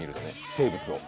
生物を。